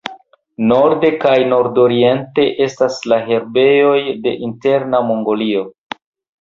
Norde kaj nordoriente estas la herbejoj de Interna Mongolio.